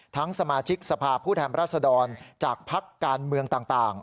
ทั้งสมาชิกสภาพผู้แถมราษดรจากภักร์การเมืองต่าง